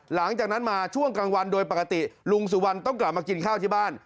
หลังจากนั้นมาช่วงกลางวันโดยปกติลุงสุวรรณต้องกลับมากินข้าวที่บ้าน